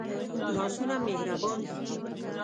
لاسونه مهربان دي